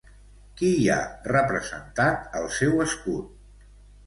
Qui hi ha representat al seu escut?